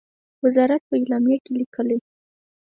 وزارت په اعلامیه کې لیکلی،